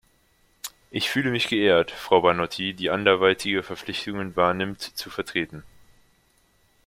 Ich fühle mich geehrt, Frau Banotti, die anderweitige Verpflichtungen wahrnimmt, zu vertreten.